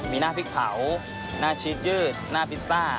มีหน้าพริกเผาหน้าชีสยืดหน้าพิซซ่า